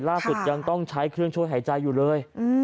ล่าสุดยังต้องใช้เครื่องช่วยหายใจอยู่เลย